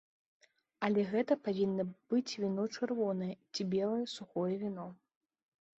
Але гэта павінна быць віно чырвонае ці белае сухое віно.